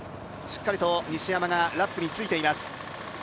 しっかりと西山がラップについています。